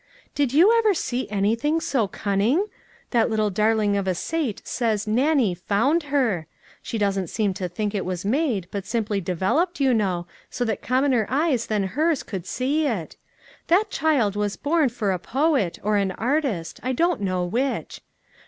"Did you ever see anything so cunning? That little darling of a Sate says Nannie * found ' her ; she doesn't seem to think it was made, but sim ply developed, you know, so that commoner A WILL AND A WAY. 287 eyes than hers could see it ; that child was born for a poet, or an artist, I don't know which.